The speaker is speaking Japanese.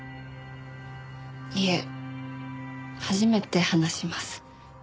いえ初めて話します。